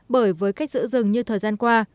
bởi với cách giữ rừng như thời gian qua